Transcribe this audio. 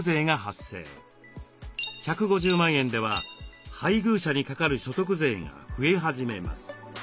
１５０万円では配偶者にかかる所得税が増え始めます。